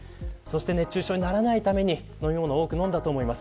熱中症にならないために飲み物を多く飲んだと思います。